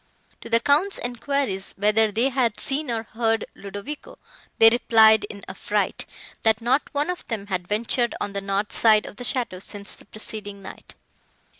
To the Count's enquiries, whether they had seen or heard Ludovico, they replied in affright, that not one of them had ventured on the north side of the château, since the preceding night.